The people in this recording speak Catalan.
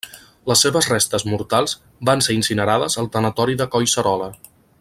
Les seves restes mortals van ser incinerades al tanatori de Collserola.